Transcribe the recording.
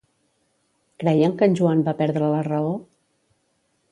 Creien que en Joan va perdre la raó?